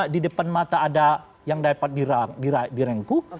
di depan mata ada yang dapat direngku